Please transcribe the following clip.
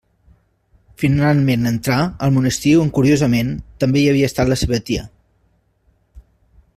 Finalment entrà al monestir on curiosament també hi havia estat la seva tia.